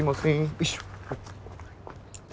よいしょ。